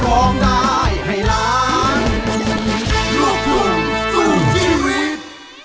โอ้ว่าแม่ดอกท่องกาวบานเย็น